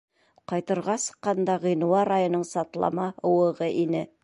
— Ҡайтырға сыҡҡанда ғинуар айының сатлама һыуығы ине.